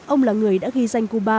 ông là người đã ghi danh cuba